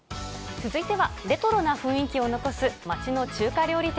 続いては、レトロな雰囲気を残す町の中華料理店。